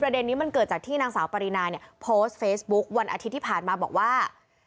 เด็นนี้มันเกิดจากที่นางสาวปรินาเนี่ยโพสต์เฟซบุ๊ควันอาทิตย์ที่ผ่านมาบอกว่า